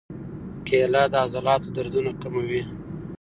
کېله د عضلاتو دردونه کموي.